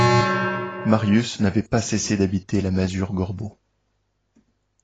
Marius n’avait pas cessé d’habiter la masure Gorbeau.